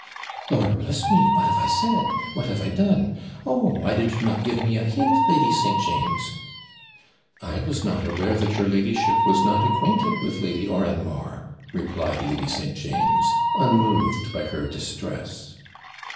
'Lord bless me! what have I said! what have I done! Oh! why did not you give me a hint, Lady St. James?' 'I was not aware that your ladyship was not acquainted with Lady Oranmore,' replied Lady St. James, unmoved by her distress.